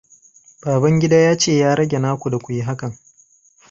Babangida ya ce ya rage na ku da ku yi hakan.